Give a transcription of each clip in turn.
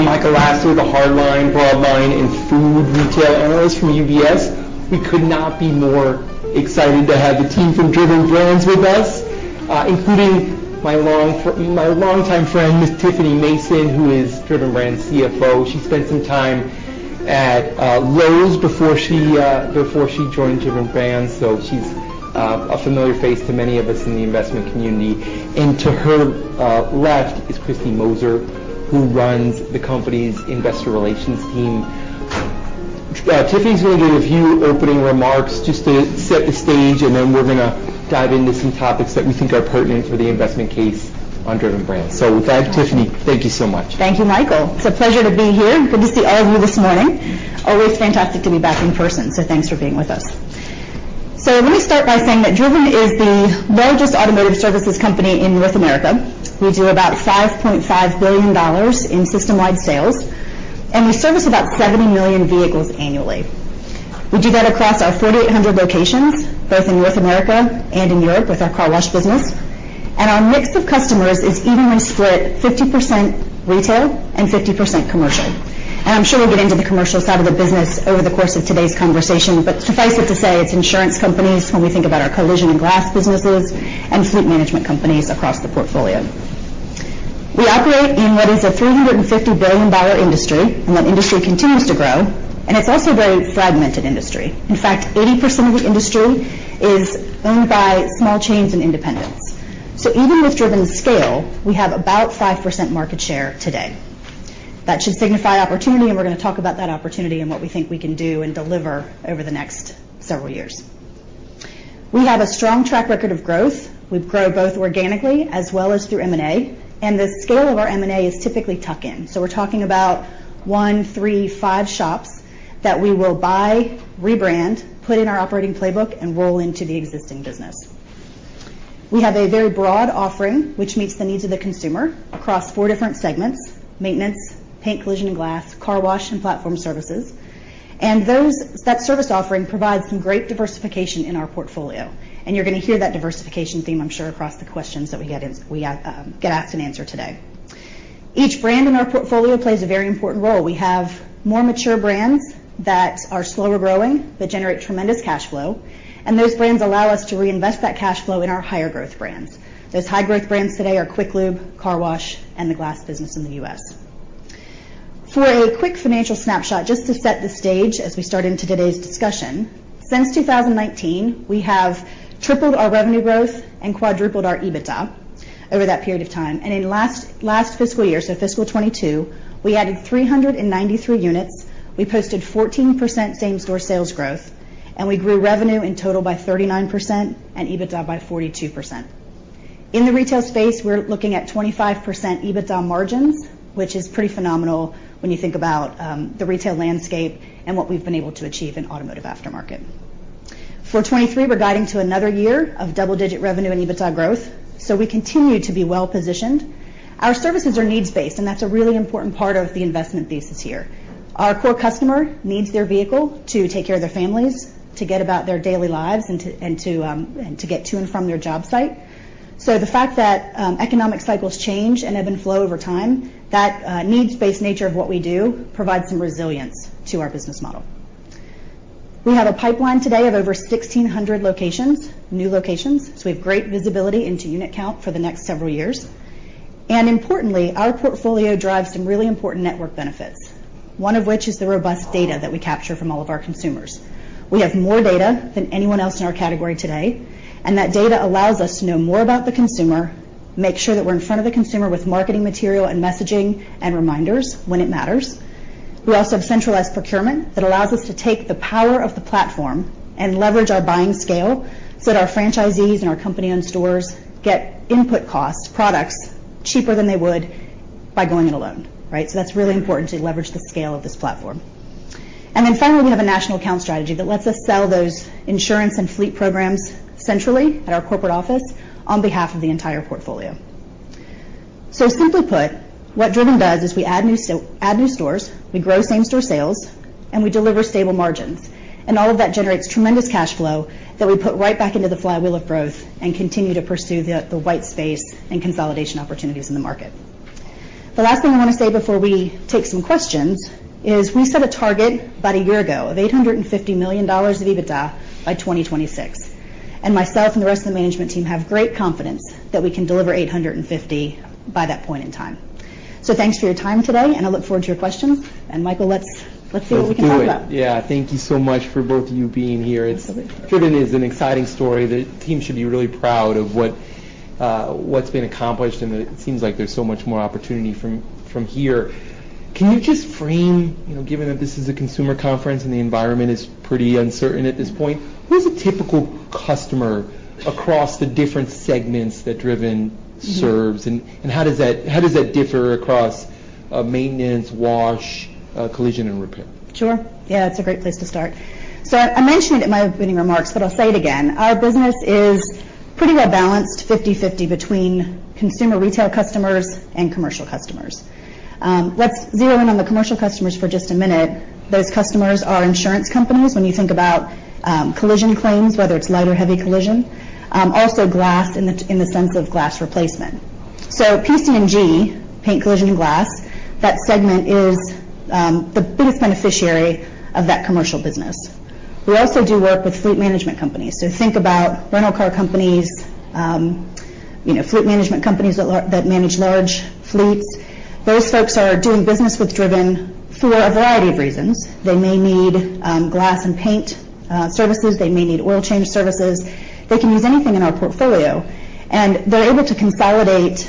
Good morning, everyone. I'm Michael Lasser with the Hardline, Broadline and Food Retail Analyst from UBS. We could not be more excited to have the team from Driven Brands with us, including my longtime friend, Miss Tiffany Mason, who is Driven Brands CFO. She spent some time at Lowe's before she joined Driven Brands. She's a familiar face to many of us in the investment community. To her left is Kristy Moser, who runs the company's investor relations team. Tiffany is gonna give a few opening remarks just to set the stage, and then we're gonna dive into some topics that we think are pertinent for the investment case on Driven Brands. With that, Tiffany, thank you so much. Thank you, Michael. It's a pleasure to be here. Good to see all of you this morning. Always fantastic to be back in person, thanks for being with us. Let me start by saying that Driven is the largest automotive services company in North America. We do about $5.5 billion in system-wide sales, we service about 70 million vehicles annually We do that across our 4,800 locations, both in North America and in Europe with our Car Wash business. Our mix of customers is evenly split 50% retail and 50% commercial. I'm sure we'll get into the commercial side of the business over the course of today's conversation. Suffice it to say, it's insurance companies when we think about our collision and glass businesses and fleet management companies across the portfolio. We operate in what is a $350 billion industry. That industry continues to grow. It's also a very fragmented industry. In fact, 80% of the industry is owned by small chains and independents. Even with Driven scale, we have about 5% market share today. That should signify opportunity. We're gonna talk about that opportunity and what we think we can do and deliver over the next several years. We have a strong track record of growth. We've grown both organically as well as through M&A. The scale of our M&A is typically tuck in. We're talking about 1, 3, 5 shops that we will buy, rebrand, put in our operating playbook, and roll into the existing business. We have a very broad offering which meets the needs of the consumer across 4 different segments: maintenance, paint, collision and glass, Car Wash, and platform services. That service offering provides some great diversification in our portfolio. You're gonna hear that diversification theme, I'm sure, across the questions that we get asked and answered today. Each brand in our portfolio plays a very important role. We have more mature brands that are slower growing, that generate tremendous cash flow, those brands allow us to reinvest that cash flow in our higher growth brands. Those high-growth brands today are QuikLube, Car Wash, and the glass business in the U.S. For a quick financial snapshot, just to set the stage as we start into today's discussion, since 2019, we have tripled our revenue growth and quadrupled our EBITDA over that period of time. In last fiscal year, so fiscal 2022, we added 393 units, we posted 14% same-store sales growth, we grew revenue in total by 39% and EBITDA by 42%. In the retail space, we're looking at 25% EBITDA margins, which is pretty phenomenal when you think about the retail landscape and what we've been able to achieve in automotive aftermarket. For 2023, we're guiding to another year of double-digit revenue and EBITDA growth, we continue to be well-positioned. Our services are needs-based, that's a really important part of the investment thesis here. Our core customer needs their vehicle to take care of their families, to get about their daily lives, and to get to and from their job site. The fact that economic cycles change and ebb and flow over time, that needs-based nature of what we do provides some resilience to our business model. We have a pipeline today of over 1,600 locations, new locations, so we have great visibility into unit count for the next several years. Importantly, our portfolio drives some really important network benefits, one of which is the robust data that we capture from all of our consumers. We have more data than anyone else in our category today. That data allows us to know more about the consumer, make sure that we're in front of the consumer with marketing material and messaging and reminders when it matters. We also have centralized procurement that allows us to take the power of the platform and leverage our buying scale so that our franchisees and our company-owned stores get input costs, products cheaper than they would by going it alone, right? That's really important to leverage the scale of this platform. Finally, we have a national account strategy that lets us sell those insurance and fleet programs centrally at our corporate office on behalf of the entire portfolio. Simply put, what Driven does is we add new stores, we grow same-store sales, and we deliver stable margins. All of that generates tremendous cash flow that we put right back into the flywheel of growth and continue to pursue the white space and consolidation opportunities in the market. The last thing I wanna say before we take some questions is we set a target about a year ago of $850 million of EBITDA by 2026, and myself and the rest of the management team have great confidence that we can deliver 850 by that point in time. Thanks for your time today, and I look forward to your questions. Michael Lasser, let's see what we can talk about. Let's do it. Yeah. Thank you so much for both of you being here. Absolutely. Driven is an exciting story. The team should be really proud of what's been accomplished. It seems like there's so much more opportunity from here. Can you just frame, you know, given that this is a consumer conference and the environment is pretty uncertain at this point, who's a typical customer across the different segments that Driven serves? Mm-hmm. How does that differ across maintenance, wash, collision, and repair? Sure. Yeah. It's a great place to start. I mentioned it in my opening remarks, but I'll say it again: Our business is pretty well-balanced, 50/50 between consumer retail customers and commercial customers. Let's zero in on the commercial customers for just a minute. Those customers are insurance companies. When you think about collision claims, whether it's light or heavy collision, also glass in the, in the sense of glass replacement. PC&G, paint, collision, and glass, that segment is the biggest beneficiary of that commercial business. We also do work with fleet management companies. Think about rental car companies, you know, fleet management companies that manage large fleets. Those folks are doing business with Driven for a variety of reasons. They may need glass and paint services. They may need oil change services. They can use anything in our portfolio, they're able to consolidate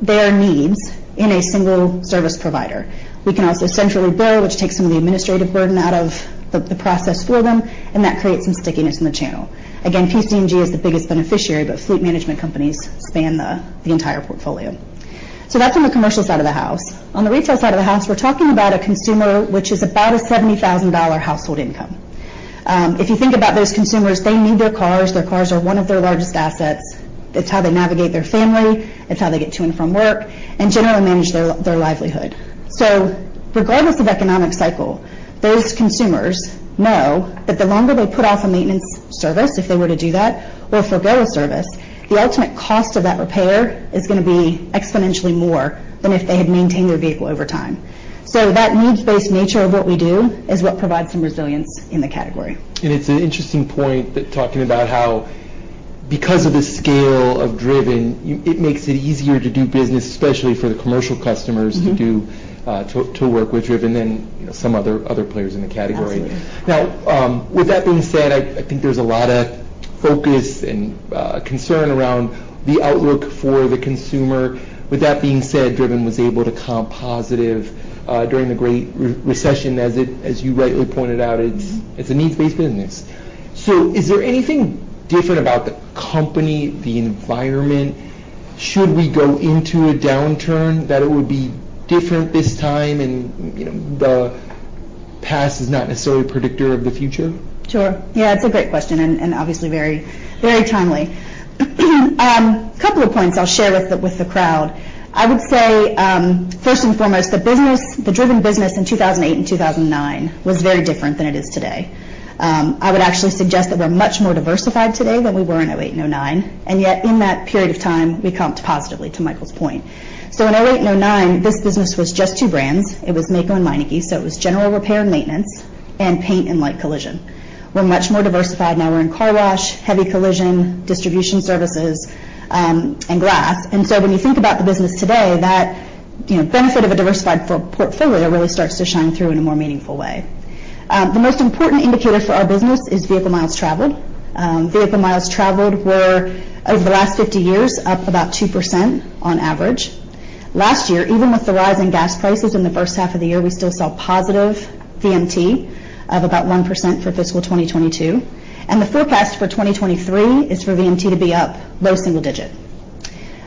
their needs in a single service provider. We can also centrally bill, which takes some of the administrative burden out of the process for them, and that creates some stickiness in the channel. Again, PC&G is the biggest beneficiary, but fleet management companies span the entire portfolio. That's on the commercial side of the house. On the retail side of the house, we're talking about a consumer which is about a $70,000 household income. If you think about those consumers, they need their cars. Their cars are one of their largest assets. It's how they navigate their family. It's how they get to and from work and generally manage their livelihood. Regardless of economic cycle, those consumers know that the longer they put off a maintenance service, if they were to do that, or forego a service, the ultimate cost of that repair is gonna be exponentially more than if they had maintained their vehicle over time. That needs-based nature of what we do is what provides some resilience in the category. It's an interesting point that talking about how because of the scale of Driven, it makes it easier to do business, especially for the commercial customers. Mm-hmm. to do, to work with Driven than some other players in the category. Absolutely. With that being said, I think there's a lot of focus and concern around the outlook for the consumer. With that being said, Driven was able to comp positive, during the great re-recession as you rightly pointed out. Mm-hmm. It's a needs-based business. Is there anything different about the company, the environment should we go into a downturn, that it would be different this time and, you know, the past is not necessarily a predictor of the future? Sure. Yeah, it's a great question and obviously very, very timely. A couple of points I'll share with the crowd. I would say, first and foremost, the business, the Driven business in 2008 and 2009 was very different than it is today. I would actually suggest that we're much more diversified today than we were in 2008 and 2009, and yet in that period of time, we comped positively, to Michael's point. In 2008 and 2009, this business was just two brands. It was Maaco and Meineke, so it was general repair and maintenance and paint and light collision. We're much more diversified now. We're in Car Wash, heavy collision, distribution services, and glass. When you think about the business today, that, you know, benefit of a diversified portfolio really starts to shine through in a more meaningful way. The most important indicator for our business is vehicle miles traveled. Vehicle miles traveled were, over the last 50 years, up about 2% on average. Last year, even with the rise in gas prices in the first half of the year, we still saw positive VMT of about 1% for fiscal 2022, and the forecast for 2023 is for VMT to be up low single digit.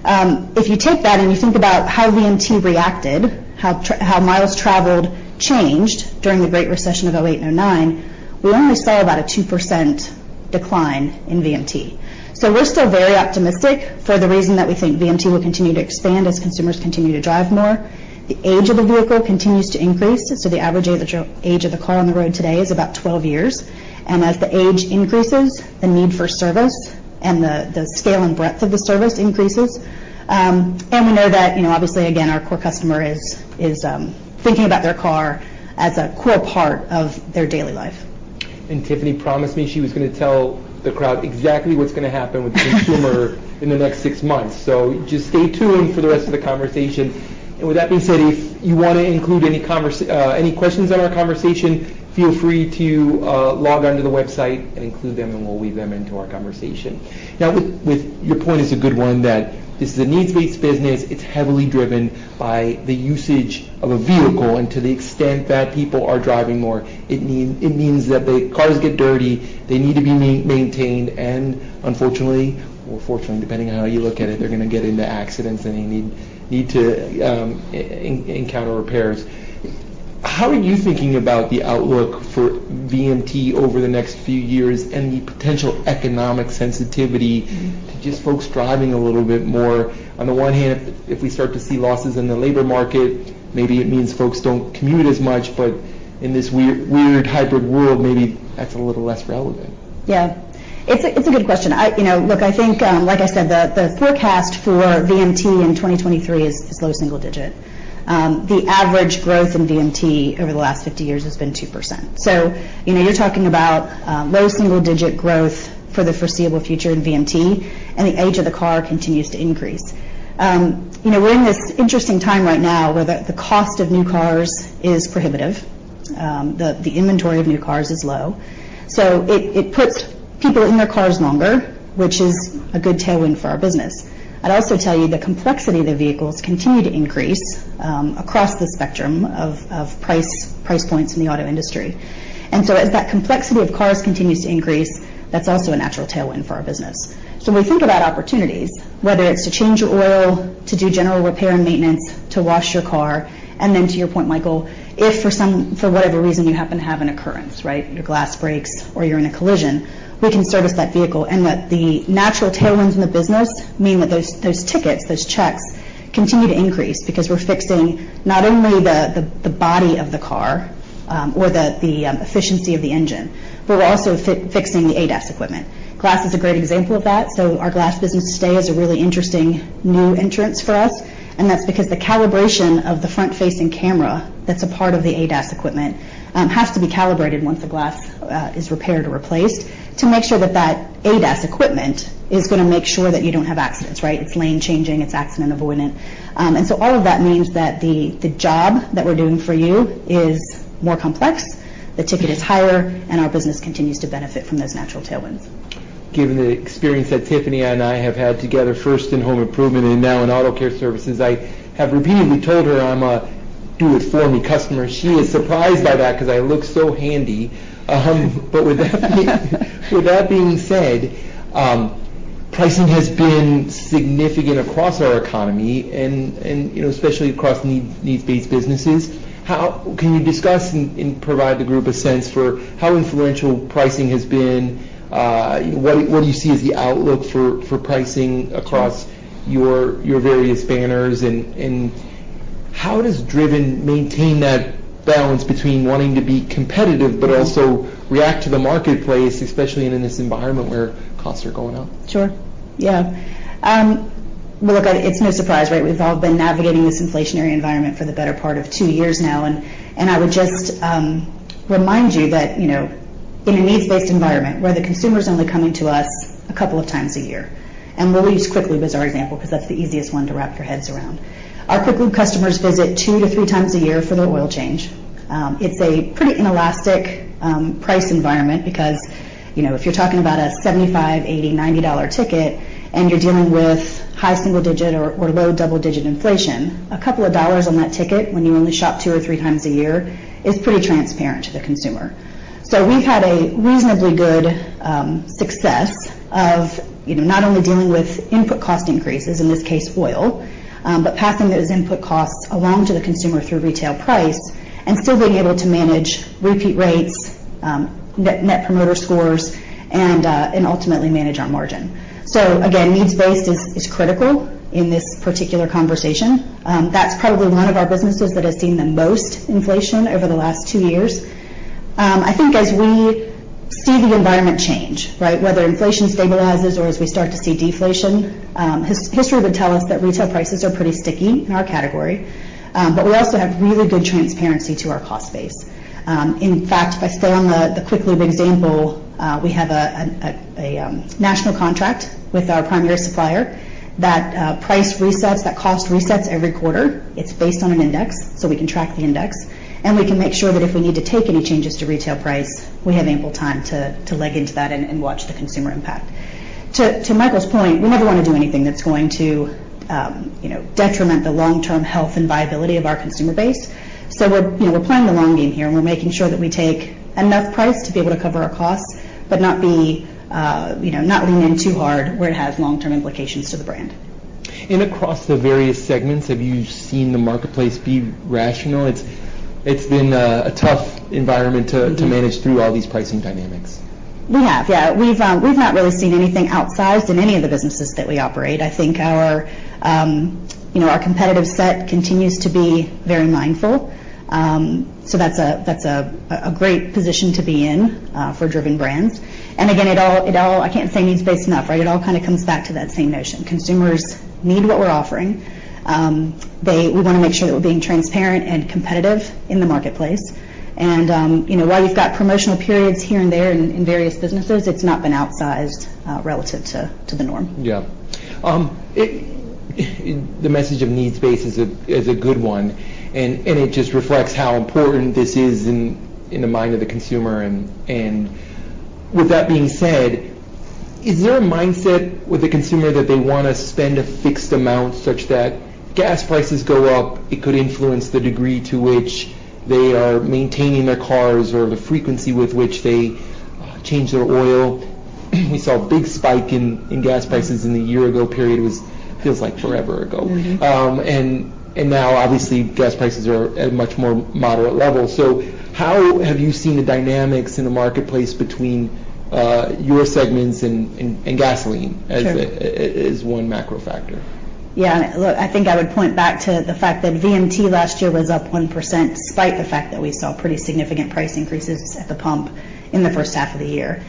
If you take that and you think about how VMT reacted, how miles traveled changed during the great recession of 2008 and 2009, we only saw about a 2% decline in VMT. We're still very optimistic for the reason that we think VMT will continue to expand as consumers continue to drive more. The age of the vehicle continues to increase, so the average age of the car on the road today is about 12 years. As the age increases, the need for service and the scale and breadth of the service increases. We know that, you know, obviously, again, our core customer is thinking about their car as a core part of their daily life. Tiffany promised me she was gonna tell the crowd exactly what's gonna happen with the consumer in the next six months. Just stay tuned for the rest of the conversation. With that being said, if you wanna include any questions in our conversation, feel free to log on to the website and include them, and we'll weave them into our conversation. Your point is a good one, that this is a needs-based business. It's heavily driven by the usage of a vehicle, and to the extent that people are driving more, it means that the cars get dirty. They need to be maintained, and unfortunately or fortunately, depending on how you look at it, they're gonna get into accidents, and they need to encounter repairs. How are you thinking about the outlook for VMT over the next few years and the potential economic sensitivity? Mm-hmm. -to just folks driving a little bit more? On the one hand, if we start to see losses in the labor market, maybe it means folks don't commute as much. In this weird hybrid world, maybe that's a little less relevant. Yeah. It's a good question. I You know, look, I think, like I said, the forecast for VMT in 2023 is low single digit. The average growth in VMT over the last 50 years has been 2%. You know, you're talking about low single digit growth for the foreseeable future in VMT, and the age of the car continues to increase. You know, we're in this interesting time right now where the cost of new cars is prohibitive. The inventory of new cars is low. It puts people in their cars longer, which is a good tailwind for our business. I'd also tell you the complexity of the vehicles continue to increase, across the spectrum of price points in the auto industry. As that complexity of cars continues to increase, that's also a natural tailwind for our business. When we think about opportunities, whether it's to change your oil, to do general repair and maintenance, to wash your car, then to your point, Michael, if for whatever reason you happen to have an occurrence, right? Your glass breaks or you're in a collision, we can service that vehicle. That the natural tailwinds in the business mean that those tickets, those checks continue to increase because we're fixing not only the body of the car, or the efficiency of the engine, but we're also fixing the ADAS equipment. Glass is a great example of that. Our glass business today is a really interesting new entrance for us, and that's because the calibration of the front-facing camera that's a part of the ADAS equipment has to be calibrated once the glass is repaired or replaced to make sure that that ADAS equipment is gonna make sure that you don't have accidents, right? It's lane changing, it's accident avoidant. All of that means that the job that we're doing for you is more complex, the ticket is higher, and our business continues to benefit from those natural tailwinds. Given the experience that Tiffany and I have had together, first in home improvement and now in auto care services, I have repeatedly told her I'm a do-it-for-me customer. She is surprised by that 'cause I look so handy. With that being said, pricing has been significant across our economy and, you know, especially across needs-based businesses. Can you discuss and provide the group a sense for how influential pricing has been? What do you see as the outlook for pricing across your various banners? How does Driven maintain that balance between wanting to be competitive but also react to the marketplace, especially in this environment where costs are going up? Sure. Yeah. Well, look, it's no surprise, right? We've all been navigating this inflationary environment for the better part of 2 years now. I would just remind you that, you know, in a needs-based environment where the consumer's only coming to us a couple of times a year, and we'll use QuickLube as our example 'cause that's the easiest one to wrap your heads around. Our QuickLube customers visit 2 to 3 times a year for their oil change. It's a pretty inelastic price environment because, you know, if you're talking about a $75, $80, $90 ticket and you're dealing with high single-digit or low double-digit inflation, a couple of dollars on that ticket when you only shop 2 or 3 times a year is pretty transparent to the consumer. We've had a reasonably good success of, you know, not only dealing with input cost increases, in this case oil, but passing those input costs along to the consumer through retail price and still being able to manage repeat rates, net promoter scores, and ultimately manage our margin. Again, needs-based is critical in this particular conversation. That's probably one of our businesses that has seen the most inflation over the last 2 years. I think as we see the environment change, right? Whether inflation stabilizes or as we start to see deflation, history would tell us that retail prices are pretty sticky in our category. We also have really good transparency to our cost base. In fact, if I stay on the QuickLube example, we have a national contract with our primary supplier that price resets, that cost resets every quarter. It's based on an index, so we can track the index, and we can make sure that if we need to take any changes to retail price, we have ample time to leg into that and watch the consumer impact. To Michael's point, we never wanna do anything that's going to, you know, detriment the long-term health and viability of our consumer base. We're, you know, we're playing the long game here, and we're making sure that we take enough price to be able to cover our costs, but not be, you know, not lean in too hard where it has long-term implications to the brand. across the various segments, have you seen the marketplace be rational? It's been a tough environment. Mm-hmm... to manage through all these pricing dynamics. We have. Yeah. We've not really seen anything outsized in any of the businesses that we operate. I think our, you know, our competitive set continues to be very mindful. That's a, that's a great position to be in for Driven Brands. Again, it all I can't say needs-based enough, right? It all kinda comes back to that same notion. Consumers need what we're offering. We wanna make sure that we're being transparent and competitive in the marketplace. You know, while we've got promotional periods here and there in various businesses, it's not been outsized relative to the norm. Yeah. The message of needs-based is a good one, and it just reflects how important this is in the mind of the consumer. With that being said, is there a mindset with the consumer that they wanna spend a fixed amount such that gas prices go up, it could influence the degree to which they are maintaining their cars or the frequency with which they change their oil? We saw a big spike in gas prices in the year ago period. It was feels like forever ago. Mm-hmm. Now obviously gas prices are at a much more moderate level. How have you seen the dynamics in the marketplace between your segments and gasoline? Sure... as one macro factor? Yeah. Look, I think I would point back to the fact that VMT last year was up 1% despite the fact that we saw pretty significant price increases at the pump in the first half of the year.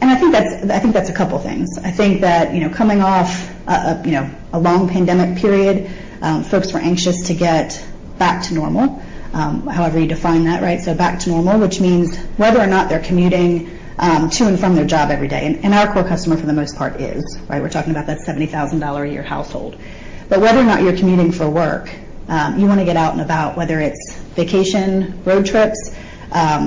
I think that's a couple things. I think that, you know, coming off a long pandemic period, folks were anxious to get back to normal, however you define that, right? Back to normal, which means whether or not they're commuting to and from their job every day, and our core customer for the most part is, right? We're talking about that $70,000 a year household. Whether or not you're commuting for work, you wanna get out and about, whether it's vacation, road trips,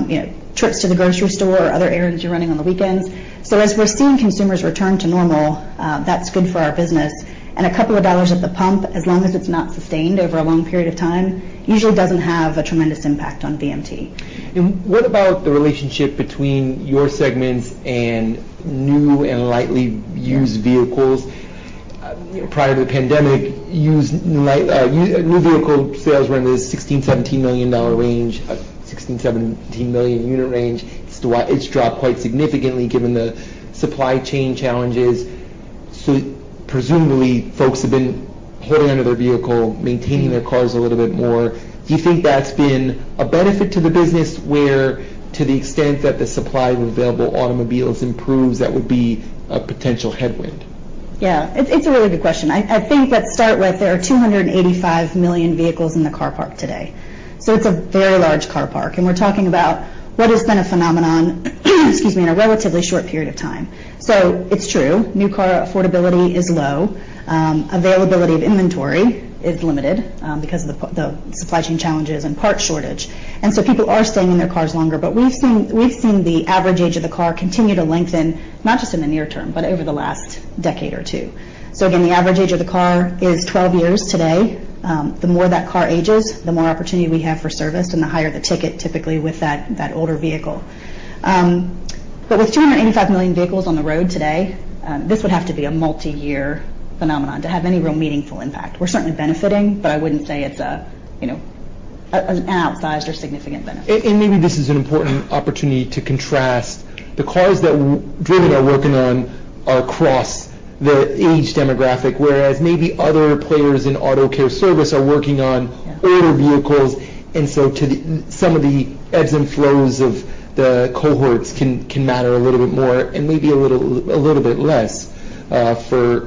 you know, trips to the grocery store or other errands you're running on the weekends. As we're seeing consumers return to normal, that's good for our business. A couple of dollars at the pump, as long as it's not sustained over a long period of time, usually doesn't have a tremendous impact on VMT. What about the relationship between your segments and new and lightly used vehicles? you know, prior to the pandemic, used, light, new vehicle sales were in this $16 million-$17 million range. 16 million-17 million unit range. It's dropped quite significantly given the supply chain challenges. Presumably, folks have been holding onto their vehicle, maintaining their cars a little bit more. Do you think that's been a benefit to the business where to the extent that the supply of available automobiles improves, that would be a potential headwind? Yeah. It's a really good question. I think let's start with there are 285 million vehicles in the car park today. It's a very large car park, we're talking about what has been a phenomenon, excuse me, in a relatively short period of time. It's true, new car affordability is low. Availability of inventory is limited because of the supply chain challenges and part shortage. People are staying in their cars longer. We've seen the average age of the car continue to lengthen, not just in the near term, but over the last decade or two. Again, the average age of the car is 12 years today. The more that car ages, the more opportunity we have for service and the higher the ticket typically with that older vehicle. With 285 million vehicles on the road today, this would have to be a multiyear phenomenon to have any real meaningful impact. We're certainly benefiting, but I wouldn't say it's, you know, an outsized or significant benefit. maybe this is an important opportunity to contrast the cars that Driven are working on are across the age demographic, whereas maybe other players in auto care service are working on- Yeah. older vehicles, and so to some of the ebbs and flows of the cohorts can matter a little bit more and maybe a little bit less for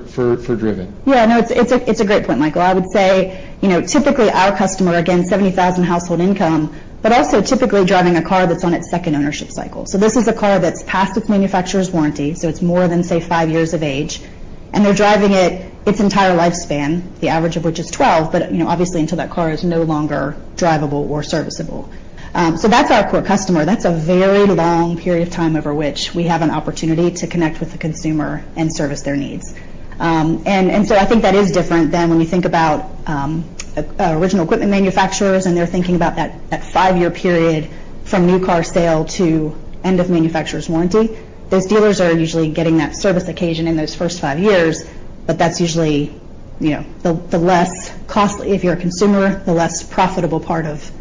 Driven. It's a great point, Michael. I would say, you know, typically our customer, again, 70,000 household income, but also typically driving a car that's on its second ownership cycle. This is a car that's past its manufacturer's warranty, so it's more than, say, 5 years of age, and they're driving it its entire lifespan, the average of which is 12, but, you know, obviously until that car is no longer drivable or serviceable. That's our core customer. That's a very long period of time over which we have an opportunity to connect with the consumer and service their needs. I think that is different than when we think about original equipment manufacturers, and they're thinking about that 5-year period from new car sale to end of manufacturer's warranty. Those dealers are usually getting that service occasion in those first five years, but that's usually, you know, the less costly if you're a consumer, the less profitable part of the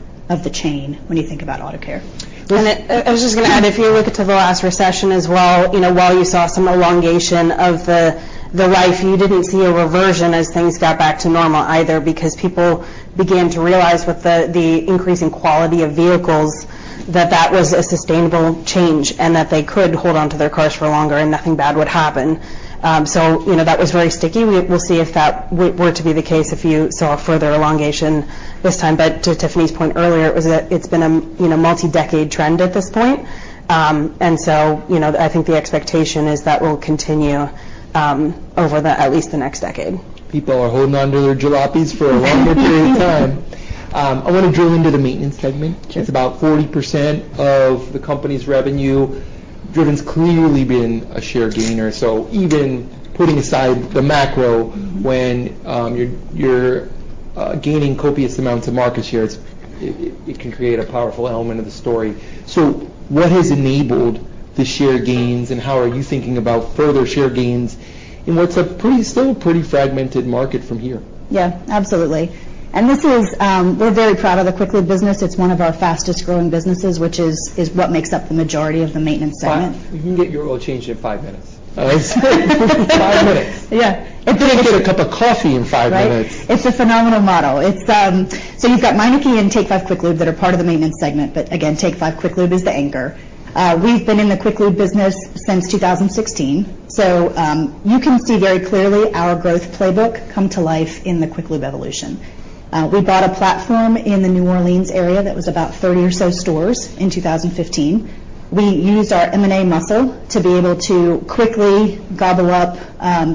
chain when you think about auto care. I was just gonna add, if you look into the last recession as well, you know, while you saw some elongation of the life, you didn't see a reversion as things got back to normal either because people began to realize with the increasing quality of vehicles that that was a sustainable change and that they could hold onto their cars for longer and nothing bad would happen. You know, that was very sticky. We'll see if that were to be the case if you saw a further elongation this time. To Tiffany's point earlier, it was it's been a, you know, multi-decade trend at this point. You know, I think the expectation is that will continue over the at least the next decade. People are holding onto their jalopies for a longer period of time. I wanna drill into the maintenance segment. Sure. It's about 40% of the company's revenue. Driven's clearly been a share gainer. Mm-hmm. When you're gaining copious amounts of market shares, it can create a powerful element of the story. What has enabled the share gains, and how are you thinking about further share gains in what's still a pretty fragmented market from here? Yeah, absolutely. We're very proud of the Quick Lube business. It's one of our fastest-growing businesses, which is what makes up the majority of the maintenance segment. Five. You can get your oil changed in five minutes. Oh, is it? 5 minutes. Yeah. I couldn't get a cup of coffee in five minutes. Right? It's a phenomenal model. You've got Meineke and Take 5 Oil Change that are part of the maintenance segment, but again, Take 5 Oil Change is the anchor. We've been in the Quick Lube business since 2016. You can see very clearly our growth playbook come to life in the Quick Lube evolution. We bought a platform in the New Orleans area that was about 30 or so stores in 2015. We used our M&A muscle to be able to quickly gobble up,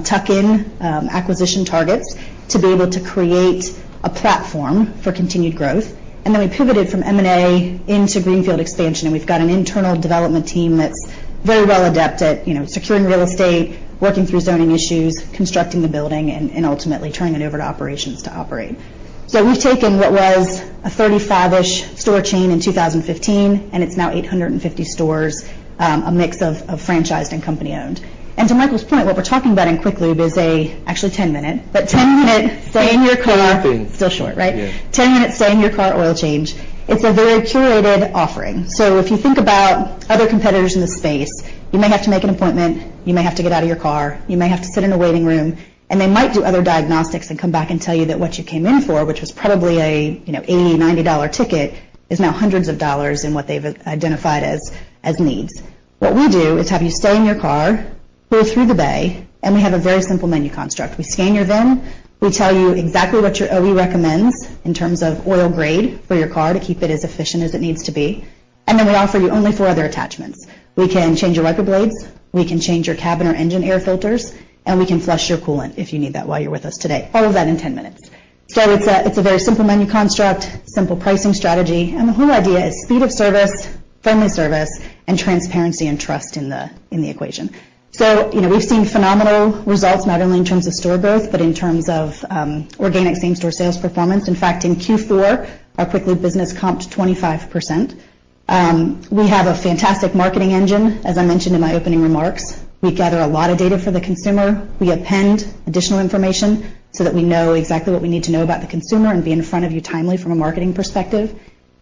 tuck in, acquisition targets to be able to create a platform for continued growth. Then we pivoted from M&A into greenfield expansion, and we've got an internal development team that's very well adept at, you know, securing real estate, working through zoning issues, constructing the building, and ultimately turning it over to operations to operate. We've taken what was a 35-ish store chain in 2015, and it's now 850 stores, a mix of franchised and company-owned. To Michael's point, what we're talking about in Quick Lube is a actually 10 minute, but 10-minute stay in your car... 10-minute thing. Still short, right? Yeah. 10-minute stay in your car oil change. It's a very curated offering. If you think about other competitors in the space, you may have to make an appointment, you may have to get out of your car, you may have to sit in a waiting room, and they might do other diagnostics and come back and tell you that what you came in for, which was probably a, you know, $80-$90 ticket, is now hundreds of dollars in what they've identified as needs. What we do is have you stay in your car, pull through the bay, and we have a very simple menu construct. We scan your VIN, we tell you exactly what your OE recommends in terms of oil grade for your car to keep it as efficient as it needs to be, and then we offer you only four other attachments. We can change your wiper blades, we can change your cabin or engine air filters, and we can flush your coolant if you need that while you're with us today. All of that in 10 minutes. It's a very simple menu construct, simple pricing strategy, and the whole idea is speed of service, friendly service, and transparency and trust in the, in the equation. You know, we've seen phenomenal results, not only in terms of store growth, but in terms of organic same-store sales performance. In fact, in Q4, our Quick Lube business comped 25%. We have a fantastic marketing engine, as I mentioned in my opening remarks. We gather a lot of data for the consumer. We append additional information so that we know exactly what we need to know about the consumer and be in front of you timely from a marketing perspective.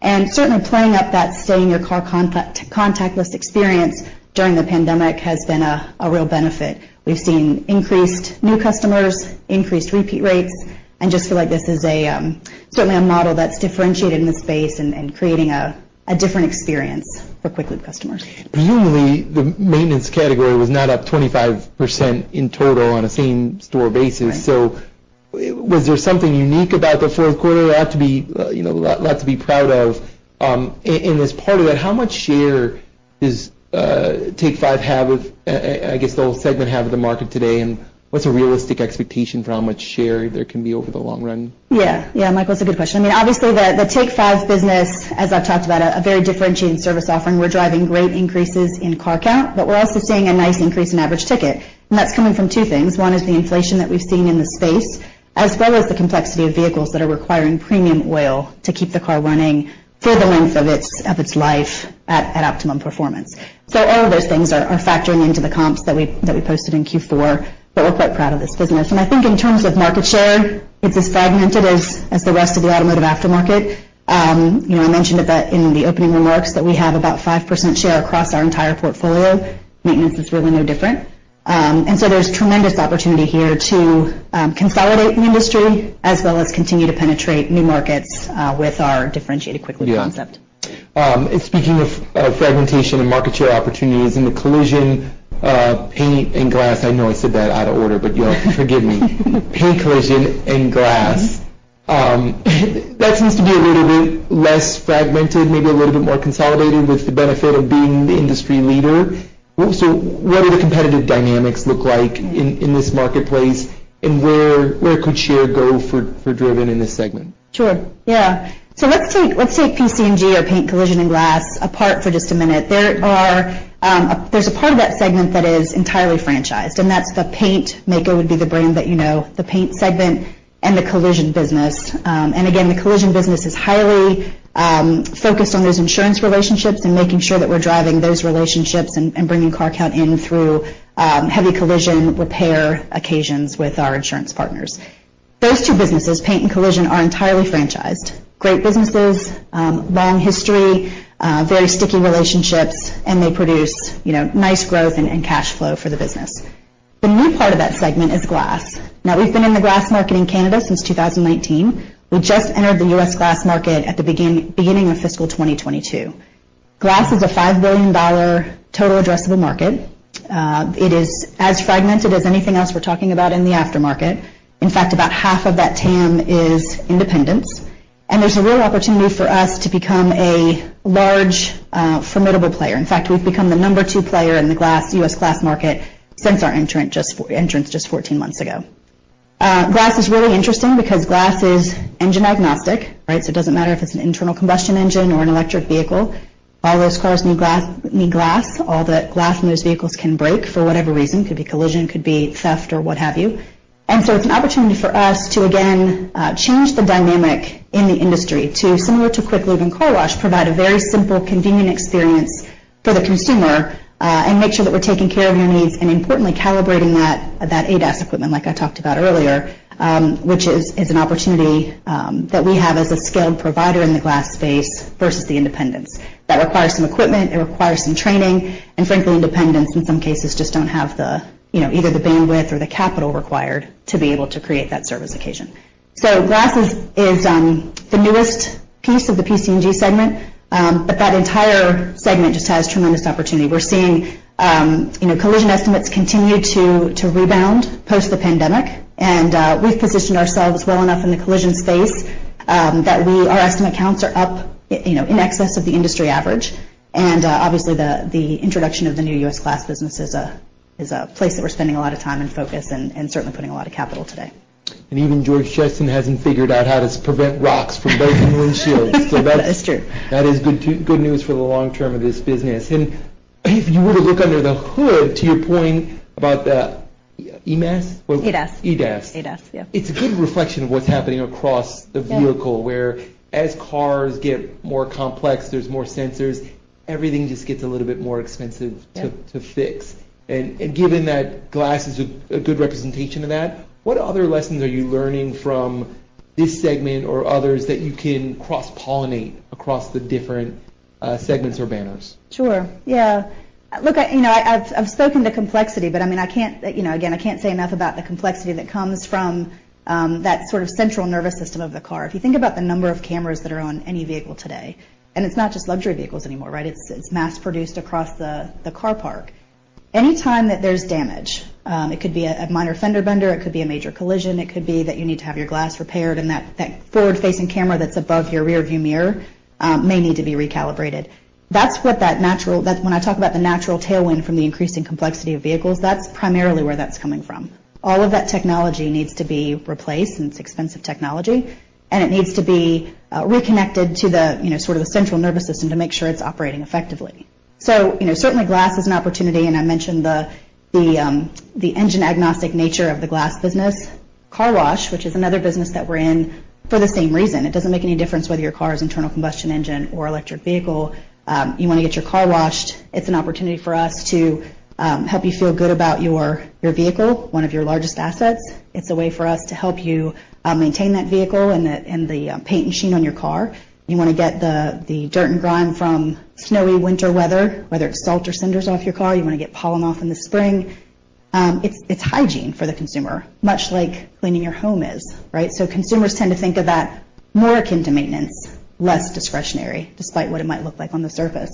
Certainly playing up that stay in your car contact, contactless experience during the pandemic has been a real benefit. We've seen increased new customers, increased repeat rates, and just feel like this is certainly a model that's differentiated in the space and creating a different experience for quick lube customers. Presumably, the maintenance category was not up 25% in total on a same store basis. Right. Was there something unique about the fourth quarter? A lot to be, you know, a lot to be proud of. As part of that, how much share does Take 5 have of, I guess, the whole segment have of the market today, and what's a realistic expectation for how much share there can be over the long run? Yeah. Yeah, Michael, it's a good question. I mean, obviously the Take 5 business, as I've talked about, a very differentiated service offering. We're driving great increases in car count, but we're also seeing a nice increase in average ticket. That's coming from two things. One is the inflation that we've seen in the space, as well as the complexity of vehicles that are requiring premium oil to keep the car running for the length of its life at optimum performance. All of those things are factoring into the comps that we posted in Q4, but we're quite proud of this business. I think in terms of market share, it's as fragmented as the rest of the automotive aftermarket. you know, I mentioned at the, in the opening remarks that we have about 5% share across our entire portfolio. Maintenance is really no different. There's tremendous opportunity here to consolidate the industry as well as continue to penetrate new markets with our differentiated quick lube concept. Yeah. Speaking of fragmentation and market share opportunities, in the Collision, Paint, and Glass. I know I said that out of order, you'll have to forgive me. Paint, Collision, and Glass. Mm-hmm. That seems to be a little bit less fragmented, maybe a little bit more consolidated with the benefit of being the industry leader. What do the competitive dynamics look like in this marketplace, and where could share go for Driven in this segment? Sure, yeah. Let's take PC&G or paint, collision, and glass apart for just a minute. There's a part of that segment that is entirely franchised, and that's the paint. Maaco would be the brand that you know, the paint segment and the collision business. The collision business is highly focused on those insurance relationships and making sure that we're driving those relationships and bringing car count in through heavy collision repair occasions with our insurance partners. Those two businesses, paint and collision, are entirely franchised. Great businesses, long history, very sticky relationships, and they produce, you know, nice growth and cash flow for the business. The new part of that segment is glass. We've been in the glass market in Canada since 2019. We just entered the US glass market at the beginning of fiscal 2022. Glass is a $5 billion total addressable market. It is as fragmented as anything else we're talking about in the aftermarket. In fact, about half of that TAM is independents, and there's a real opportunity for us to become a large, formidable player. In fact, we've become the number two player in the US glass market since our entrance just 14 months ago. Glass is really interesting because glass is engine agnostic, right? It doesn't matter if it's an internal combustion engine or an electric vehicle. All those cars need glass. All the glass in those vehicles can break for whatever reason. Could be collision, could be theft or what have you. It's an opportunity for us to, again, change the dynamic in the industry to, similar to Quick Lube and Car Wash, provide a very simple, convenient experience for the consumer, and make sure that we're taking care of their needs, and importantly, calibrating that ADAS equipment like I talked about earlier, which is an opportunity that we have as a scaled provider in the glass space versus the independents. That requires some equipment, it requires some training, and frankly, independents, in some cases, just don't have the, you know, either the bandwidth or the capital required to be able to create that service occasion. Glass is the newest piece of the PC&G segment, but that entire segment just has tremendous opportunity. We're seeing, you know, collision estimates continue to rebound post the pandemic, and we've positioned ourselves well enough in the collision space, that our estimate counts are up you know, in excess of the industry average. Obviously the introduction of the new U.S. glass business is a, is a place that we're spending a lot of time and focus and certainly putting a lot of capital today. Even George Jetson hasn't figured out how to prevent rocks from breaking windshields. That's true. That is good news for the long term of this business. If you were to look under the hood, to your point about the EMAS? ADAS. ADAS. ADAS, yeah. It's a good reflection of what's happening across- Yeah ...the vehicle, where as cars get more complex, there's more sensors, everything just gets a little bit more expensive. Yeah ...to fix. Given that glass is a good representation of that, what other lessons are you learning from this segment or others that you can cross-pollinate across the different segments or banners? Sure, yeah. Look, I, you know, I've spoken to complexity, but I mean, I can't, you know, again, I can't say enough about the complexity that comes from that sort of central nervous system of the car. If you think about the number of cameras that are on any vehicle today, and it's not just luxury vehicles anymore, right? It's, it's mass produced across the car park. Any time that there's damage, it could be a minor fender bender, it could be a major collision, it could be that you need to have your glass repaired and that forward-facing camera that's above your rearview mirror, may need to be recalibrated. That's what that natural. When I talk about the natural tailwind from the increasing complexity of vehicles, that's primarily where that's coming from. All of that technology needs to be replaced, it's expensive technology, it needs to be reconnected to the, you know, sort of the central nervous system to make sure it's operating effectively. You know, certainly glass is an opportunity, and I mentioned the engine agnostic nature of the glass business. Car Wash, which is another business that we're in for the same reason. It doesn't make any difference whether your car is internal combustion engine or electric vehicle, you wanna get your car washed. It's an opportunity for us to help you feel good about your vehicle, one of your largest assets. It's a way for us to help you maintain that vehicle and the paint and sheen on your car. You wanna get the dirt and grime from snowy winter weather, whether it's salt or cinders off your car. You wanna get pollen off in the spring. It's hygiene for the consumer, much like cleaning your home is, right? Consumers tend to think of that more akin to maintenance, less discretionary, despite what it might look like on the surface.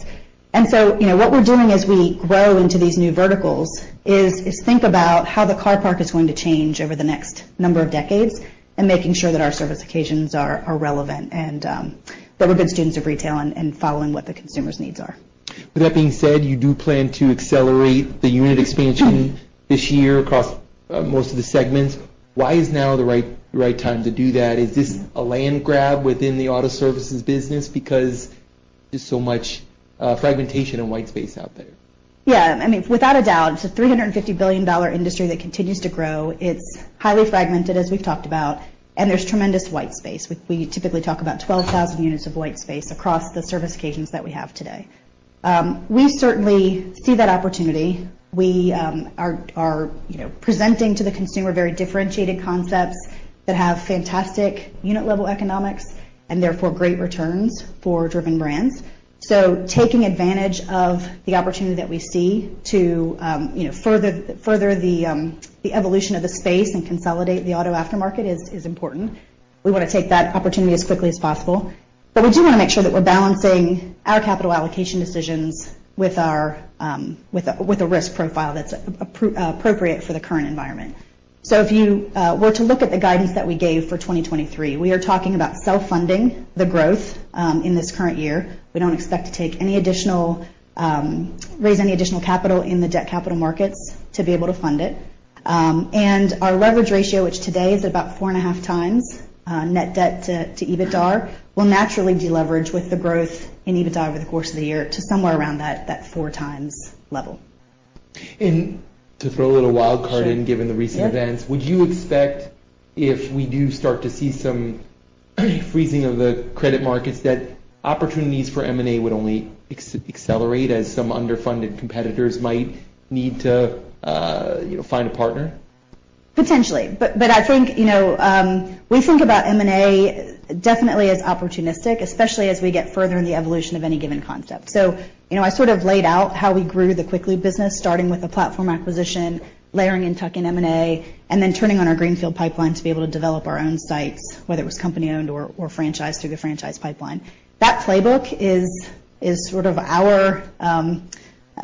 You know, what we're doing as we grow into these new verticals is think about how the car park is going to change over the next number of decades, and making sure that our service occasions are relevant and that we're good students of retail and following what the consumers' needs are. That being said, you do plan to accelerate the unit expansion this year across most of the segments. Why is now the right time to do that? Is this a land grab within the auto services business because there's so much fragmentation and white space out there? Yeah. I mean, without a doubt, it's a $350 billion industry that continues to grow. It's highly fragmented, as we've talked about. There's tremendous white space. We typically talk about 12,000 units of white space across the service occasions that we have today. We certainly see that opportunity. We are, you know, presenting to the consumer very differentiated concepts that have fantastic unit-level economics and therefore great returns for Driven Brands. Taking advantage of the opportunity that we see to, you know, further the evolution of the space and consolidate the auto aftermarket is important. We wanna take that opportunity as quickly as possible. We do wanna make sure that we're balancing our capital allocation decisions with our with a risk profile that's appropriate for the current environment. If you were to look at the guidance that we gave for 2023, we are talking about self-funding the growth in this current year. We don't expect to take any additional raise any additional capital in the debt capital markets to be able to fund it. Our leverage ratio, which today is about 4.5 times net debt to EBITDA, will naturally deleverage with the growth in EBITDA over the course of the year to somewhere around that 4 times level. To throw a little wild card in. Sure. given the recent events. Yep. Would you expect if we do start to see some freezing of the credit markets, that opportunities for M&A would only accelerate as some underfunded competitors might need to, you know, find a partner? Potentially. I think, you know, we think about M&A definitely as opportunistic, especially as we get further in the evolution of any given concept. You know, I sort of laid out how we grew the Quick Lube business, starting with a platform acquisition, layering in tuck-in M&A, and then turning on our greenfield pipeline to be able to develop our own sites, whether it was company-owned or franchise through the franchise pipeline. That playbook is sort of our.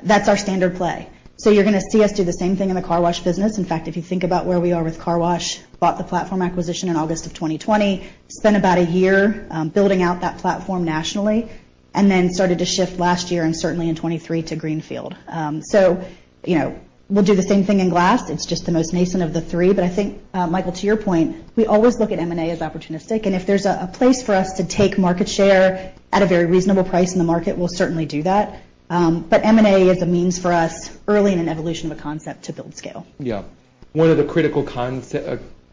That's our standard play. You're gonna see us do the same thing in the Car Wash business. In fact, if you think about where we are with Car Wash, bought the platform acquisition in August of 2020, spent about a year building out that platform nationally, and then started to shift last year and certainly in 2023 to greenfield. You know, we'll do the same thing in glass. It's just the most nascent of the three. I think, Michael, to your point, we always look at M&A as opportunistic, and if there's a place for us to take market share at a very reasonable price in the market, we'll certainly do that. M&A is a means for us early in an evolution of a concept to build scale. Yeah. One of the critical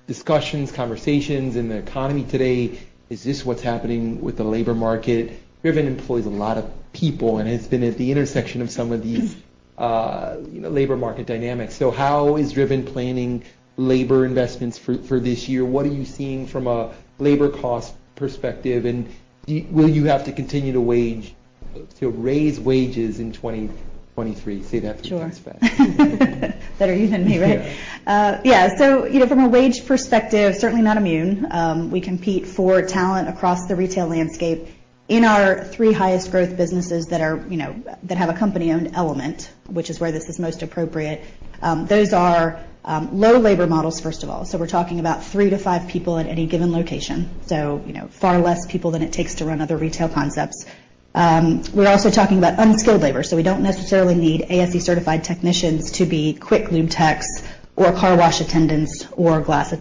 discussions, conversations in the economy today is just what's happening with the labor market. Driven employs a lot of people and has been at the intersection of some of these, you know, labor market dynamics. How is Driven planning labor investments for this year? What are you seeing from a labor cost perspective? Will you have to continue to raise wages in 2023? Say that three times fast. Sure. Better you than me, right? Sure. Yeah. You know, from a wage perspective, certainly not immune. We compete for talent across the retail landscape. In our three highest growth businesses that are, you know, that have a company-owned element, which is where this is most appropriate, those are, low labor models, first of all. We're talking about three to five people at any given location, so, you know, far less people than it takes to run other retail concepts. We're also talking about unskilled labor, so we don't necessarily need ASE-certified technicians to be Quick Lube techs or Car Wash attendants or glass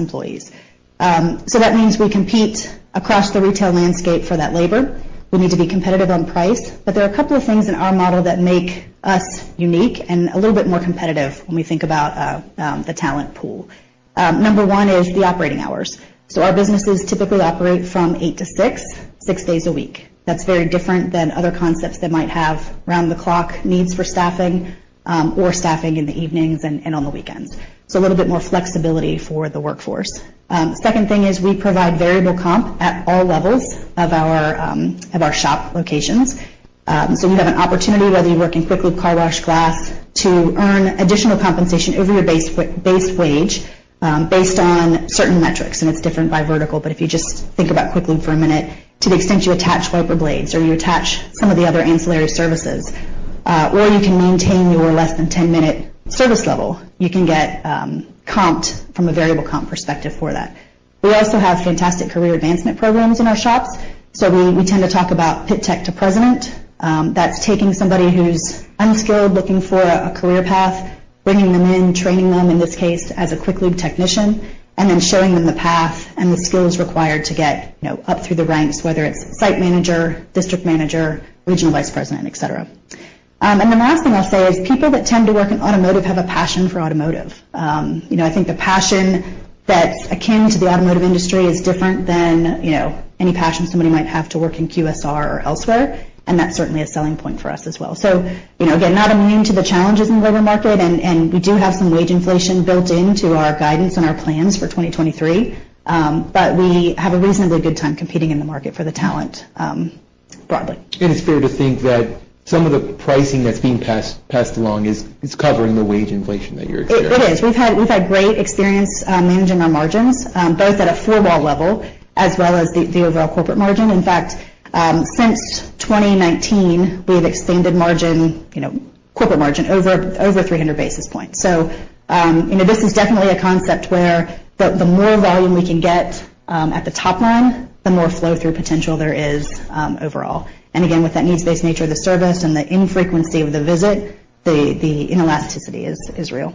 employees. That means we compete across the retail landscape for that labor. We need to be competitive on price. There are a couple of things in our model that make us unique and a little bit more competitive when we think about the talent pool. Number one is the operating hours. Our businesses typically operate from 8 to 6 days a week. That's very different than other concepts that might have round-the-clock needs for staffing, or staffing in the evenings and on the weekends. A little bit more flexibility for the workforce. Second thing is we provide variable comp at all levels of our shop locations. You have an opportunity, whether you work in Quick Lube, Car Wash, Glass, to earn additional compensation over your base wage, based on certain metrics, and it's different by vertical. If you just think about Quick Lube for a minute, to the extent you attach wiper blades or you attach some of the other ancillary services, or you can maintain your less than 10-minute service level, you can get comped from a variable comp perspective for that. We also have fantastic career advancement programs in our shops. We tend to talk about pit tech to president. That's taking somebody who's unskilled, looking for a career path, bringing them in, training them, in this case, as a Quick Lube technician, and then showing them the path and the skills required to get, you know, up through the ranks, whether it's site manager, district manager, regional vice president, et cetera. The last thing I'll say is people that tend to work in automotive have a passion for automotive. You know, I think the passion that's akin to the automotive industry is different than, you know, any passion somebody might have to work in QSR or elsewhere, and that's certainly a selling point for us as well. You know, again, not immune to the challenges in the labor market, and we do have some wage inflation built into our guidance and our plans for 2023, but we have a reasonably good time competing in the market for the talent, broadly. It's fair to think that some of the pricing that's being passed along is covering the wage inflation that you're experiencing. It is. We've had great experience managing our margins, both at a four-wall level as well as the overall corporate margin. In fact, since 2019 we have extended margin, you know, corporate margin over 300 basis points. You know, this is definitely a concept where the more volume we can get at the top line, the more flow-through potential there is overall. Again, with that needs-based nature of the service and the infrequency of the visit, the inelasticity is real.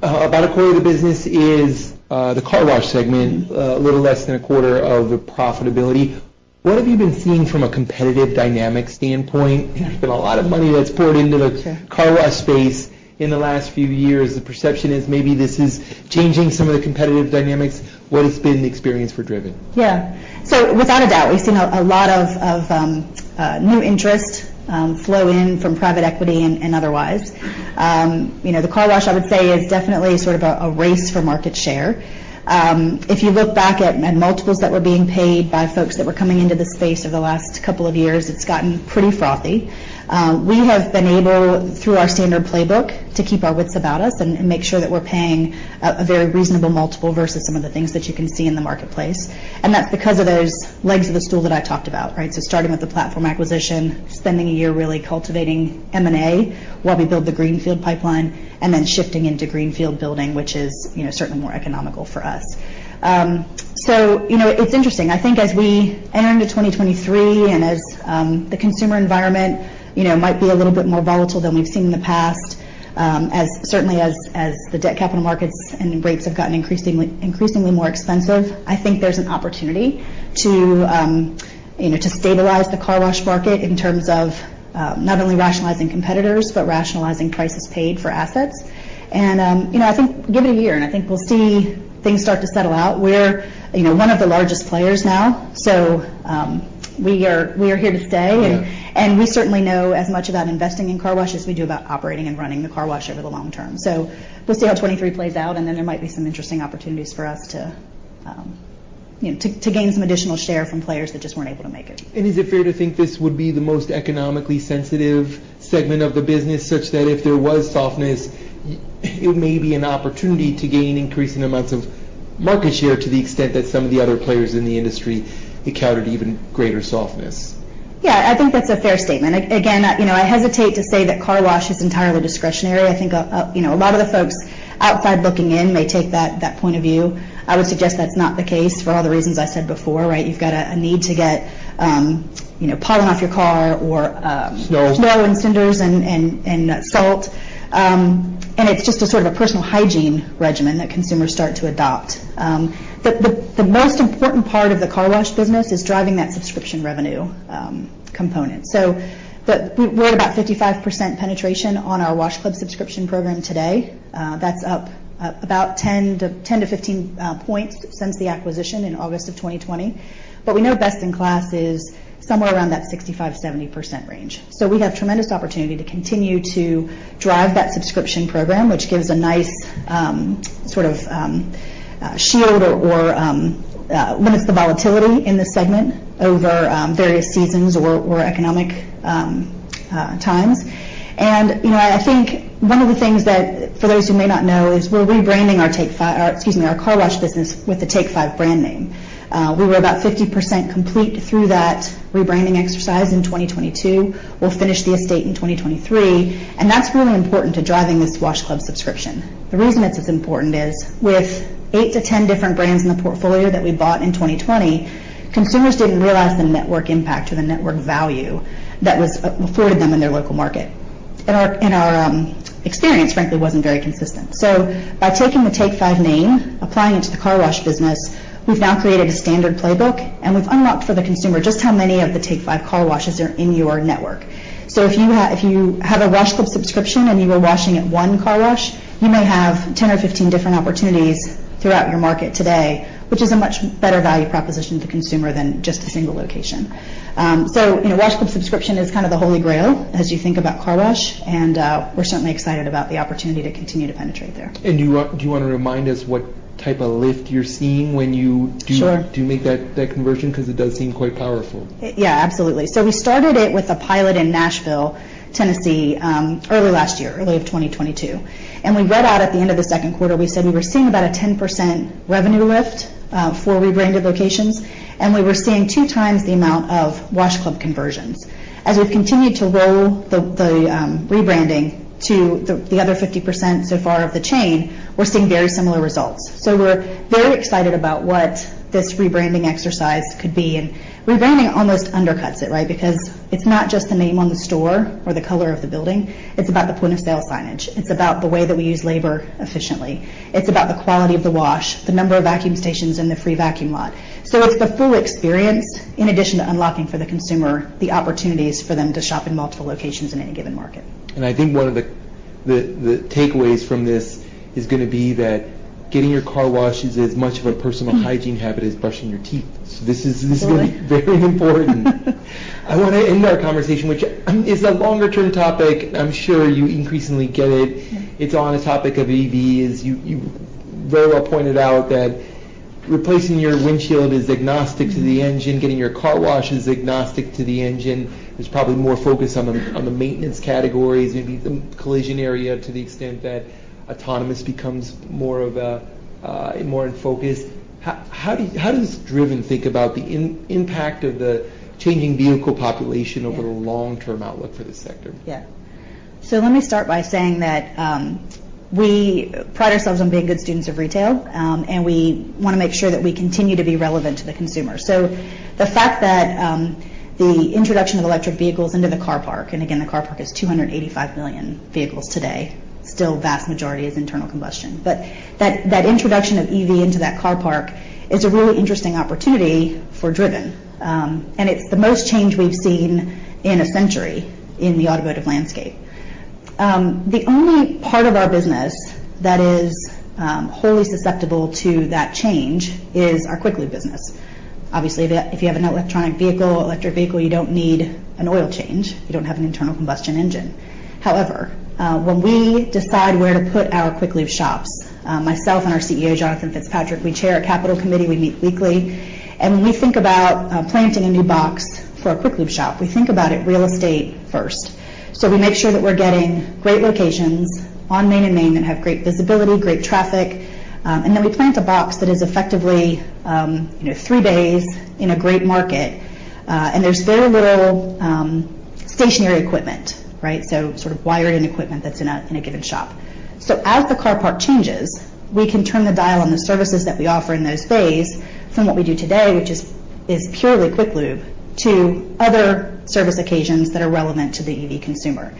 About a quarter of the business is the Car Wash segment. Mm-hmm. A little less than a quarter of the profitability. What have you been seeing from a competitive dynamic standpoint? Yeah. There's been a lot of money that's poured into. Sure. car wash space in the last few years. The perception is maybe this is changing some of the competitive dynamics. What has been the experience for Driven? Without a doubt, we've seen a lot of new interest flow in from private equity and otherwise. You know, the car wash, I would say, is definitely a race for market share. If you look back at multiples that were being paid by folks that were coming into the space over the last couple of years, it's gotten pretty frothy. We have been able, through our standard playbook, to keep our wits about us and make sure that we're paying a very reasonable multiple versus some of the things that you can see in the marketplace, and that's because of those legs of the stool that I talked about, right? Starting with the platform acquisition, spending a year really cultivating M&A while we build the greenfield pipeline, and then shifting into greenfield building, which is, you know, certainly more economical for us. You know, it's interesting. I think as we enter into 2023, and as the consumer environment, you know, might be a little bit more volatile than we've seen in the past, certainly as the debt capital markets and rates have gotten increasingly more expensive, I think there's an opportunity to, you know, to stabilize the car wash market in terms of not only rationalizing competitors, but rationalizing prices paid for assets. You know, I think give it a year, and I think we'll see things start to settle out. We're, you know, one of the largest players now, so, we are here to stay. Oh, yeah. We certainly know as much about investing in car wash as we do about operating and running the car wash over the long term. We'll see how 23 plays out, and then there might be some interesting opportunities for us to, you know, to gain some additional share from players that just weren't able to make it. Is it fair to think this would be the most economically sensitive segment of the business, such that if there was softness, it may be an opportunity to gain increasing amounts of market share to the extent that some of the other players in the industry encountered even greater softness? Yeah, I think that's a fair statement. Again, you know, I hesitate to say that Car Wash is entirely discretionary. I think, you know, a lot of the folks outside looking in may take that point of view. I would suggest that's not the case for all the reasons I said before, right? You've got a need to get, you know, pollen off your car or Snow. snow and cinders and salt. It's just a sort of a personal hygiene regimen that consumers start to adopt. The most important part of the Car Wash business is driving that subscription revenue component. We're at about 55% penetration on our Wash Club subscription program today. That's up about 10-15 points since the acquisition in August 2020. We know best in class is somewhere around that 65%-70% range. We have tremendous opportunity to continue to drive that subscription program, which gives a nice sort of shield or limits the volatility in this segment over various seasons or economic times. You know, I think one of the things that, for those who may not know, is we're rebranding our car wash business with the Take 5 brand name. We were about 50% complete through that rebranding exercise in 2022. We'll finish the estate in 2023, and that's really important to driving this Wash Club subscription. The reason it's important is with 8-10 different brands in the portfolio that we bought in 2020, consumers didn't realize the network impact or the network value that was afforded them in their local market, and our, and our experience frankly wasn't very consistent. By taking the Take 5 name, applying it to the Car Wash business, we've now created a standard playbook, and we've unlocked for the consumer just how many of the Take 5 Car Washes are in your network. If you have a Wash Club subscription and you were washing at one Car Wash, you may have 10 or 15 different opportunities throughout your market today, which is a much better value proposition to consumer than just a single location. You know, Wash Club subscription is kind of the holy grail as you think about Car Wash, and we're certainly excited about the opportunity to continue to penetrate there. Do you wanna remind us what type of lift you're seeing when you? Sure. do make that conversion? 'Cause it does seem quite powerful. Yeah, absolutely. We started it with a pilot in Nashville, Tennessee, early last year, early of 2022, and we read out at the end of the second quarter, we said we were seeing about a 10% revenue lift for rebranded locations, and we were seeing 2x the amount of Wash Club conversions. We've continued to roll the rebranding to the other 50% so far of the chain, we're seeing very similar results. We're very excited about what this rebranding exercise could be. Rebranding almost undercuts it, right? It's not just the name on the store or the color of the building, it's about the point-of-sale signage. It's about the way that we use labor efficiently. It's about the quality of the wash, the number of vacuum stations in the free vacuum lot. It's the full experience in addition to unlocking for the consumer the opportunities for them to shop in multiple locations in any given market. I think one of the takeaways from this is gonna be that getting your car washed is as much of a personal hygiene habit as brushing your teeth. Important. Very important. I wanna end our conversation, which, is a longer-term topic, I'm sure you increasingly get it. Yeah. It's on a topic of EVs. You very well pointed out that replacing your windshield is agnostic to the engine. Getting your Car Wash is agnostic to the engine. There's probably more focus on the maintenance categories, maybe the collision area to the extent that autonomous becomes more of a more in focus. How does Driven think about the impact of the changing vehicle population? Yeah. over a long-term outlook for the sector? Yeah. Let me start by saying that we pride ourselves on being good students of retail, and we wanna make sure that we continue to be relevant to the consumer. The fact that the introduction of electric vehicles into the car park, and again, the car park is 285 million vehicles today, still vast majority is internal combustion. That introduction of EV into that car park is a really interesting opportunity for Driven. It's the most change we've seen in a century in the automotive landscape. The only part of our business that is wholly susceptible to that change is our Quick Lube business. Obviously, if you have an electric vehicle, you don't need an oil change. You don't have an internal combustion engine. When we decide where to put our Quick Lube shops, myself and our CEO, Jonathan Fitzpatrick, we chair a capital committee. We meet weekly. When we think about planting a new box for a Quick Lube shop, we think about it real estate first. We make sure that we're getting great locations on main and main that have great visibility, great traffic. We plant a box that is effectively, you know, three bays in a great market. There's very little stationary equipment, right? Sort of wiring equipment that's in a given shop. As the car park changes, we can turn the dial on the services that we offer in those bays from what we do today, which is purely Quick Lube, to other service occasions that are relevant to the EV consumer.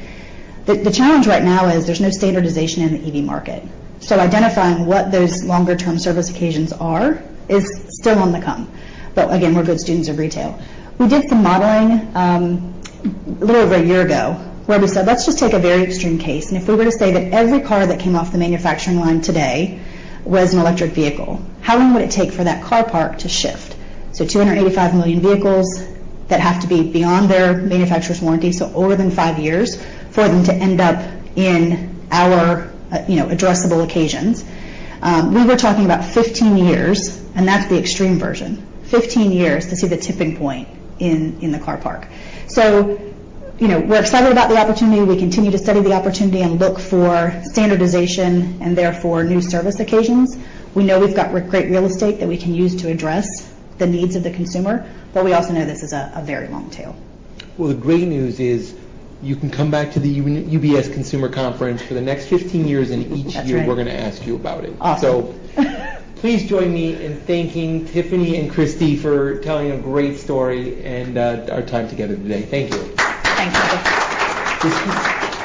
The challenge right now is there's no standardization in the EV market. Identifying what those longer-term service occasions are is still on the come. Again, we're good students of retail. We did some modeling a little over a year ago where we said, "Let's just take a very extreme case, and if we were to say that every car that came off the manufacturing line today was an electric vehicle, how long would it take for that car park to shift?" 285 million vehicles that have to be beyond their manufacturer's warranty, so older than five years, for them to end up in our, you know, addressable occasions. We were talking about 15 years, and that's the extreme version, 15 years to see the tipping point in the car park. You know, we're excited about the opportunity. We continue to study the opportunity and look for standardization and therefore new service occasions. We know we've got great real estate that we can use to address the needs of the consumer, but we also know this is a very long tail. Well, the great news is you can come back to the UBS Consumer Conference for the next 15 years, and each year. That's right. we're gonna ask you about it. Awesome. Please join me in thanking Tiffany and Kristy for telling a great story and our time together today. Thank you. Thanks, Andrew.